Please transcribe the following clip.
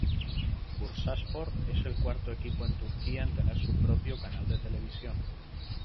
Bursaspor es el cuarto equipo en Turquía en tener su propio canal de televisión.